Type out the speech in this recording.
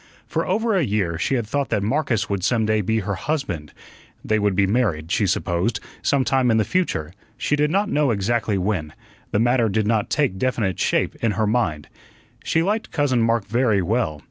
For over a year she had thought that Marcus would some day be her husband. They would be married, she supposed, some time in the future, she did not know exactly when; the matter did not take definite shape in her mind. She liked Cousin Mark very well.